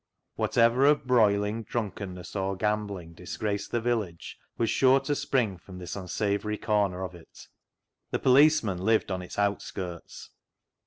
Whatever of broiling, drunkenness, or gambling disgraced the village was sure to spring from this unsavoury corner of it. The policeman lived on its outskirts.